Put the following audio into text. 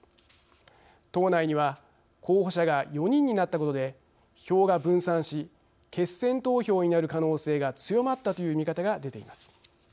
党内には候補者が４人になったことで票が分散し「決選投票になる可能性が強まった」という見方が出ています。